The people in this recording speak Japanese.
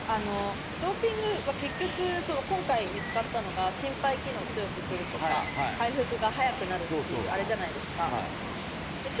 ドーピングは結局、今回見つかったのが心肺機能を強くするとか回復が早くなるっていうのじゃないですか。